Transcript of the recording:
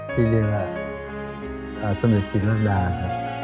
ที่เรียกว่าสมิตรศิลป์ราชดาครับ